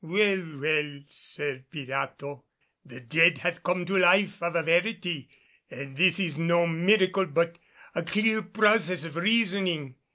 "Well, well, Sir Pirato, the dead hath come to life of a verity. And this is no miracle but a clear process of reasoning.